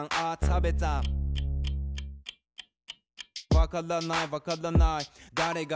わからないわからない。